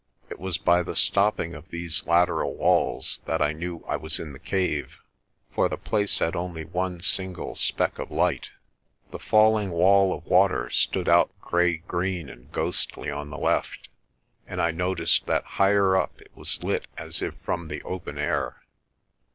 It was by the stopping of these lateral walls that I knew I was in the cave, for the place had only one single speck of light. The falling wall of water stood out grey green and ghostly on the left, and I noticed that higher up it was lit as if from the open air.